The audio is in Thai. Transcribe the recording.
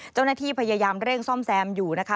เจ้าหน้าที่พยายามเร่งซ่อมแซมอยู่นะคะ